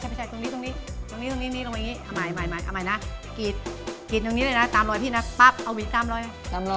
พี่สินกรีดมา